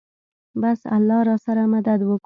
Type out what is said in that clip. بس الله راسره مدد وکو.